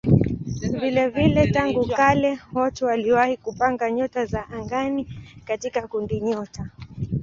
Vilevile tangu kale watu waliwahi kupanga nyota za angani katika kundinyota.